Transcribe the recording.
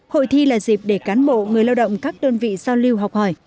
hội thi là dịp để cán bộ người lao động các đơn vị giao lưu học hỏi